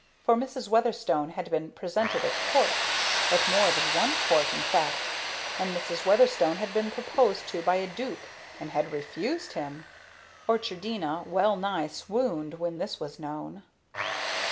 For Mrs. Weatherstone had been presented at Court at more than one court, in fact; and Mrs. Weatherstone had been proposed to by a Duke and had refused him! Orchardina well nigh swooned when this was known.